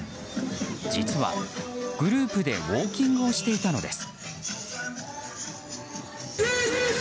実は、グループでウォーキングをしていたのです。